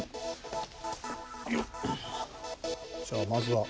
じゃあまずは。